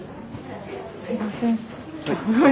すいません。